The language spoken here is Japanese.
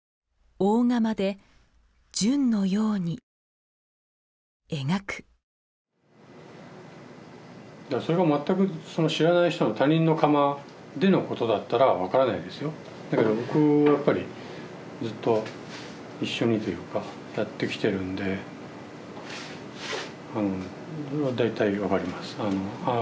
大窯で淳のように描くだからそれが全く知らない人の他人の窯でのことだったら分からないですよだけど僕はやっぱりずっと一緒にというかやってきてるんで大体分かりますあ